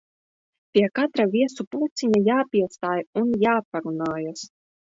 Pie katra viesu pulciņa jāpiestāj un jāparunājas.